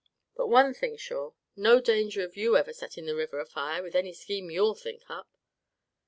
But one thing sure, no danger of you ever setting the river afire with any scheme you think up."